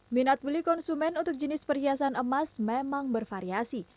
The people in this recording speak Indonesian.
minat beli konsumen untuk jenis perhiasan emas memang bervariasi